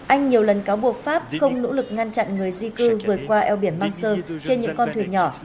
anh nhiều lần cáo buộc pháp không nỗ lực ngăn chặn người di cư vượt qua eo biển manche trên những con thuyền nhỏ